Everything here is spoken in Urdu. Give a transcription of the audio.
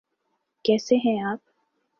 کیسے ہیں آپ؟